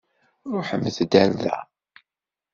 Ṛuḥem-d ar da.